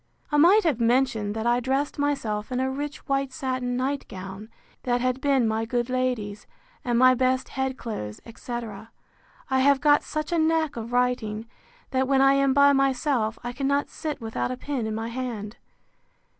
I might have mentioned, that I dressed myself in a rich white satin night gown, that had been my good lady's, and my best head clothes, etc. I have got such a knack of writing, that when I am by myself, I cannot sit without a pen in my hand.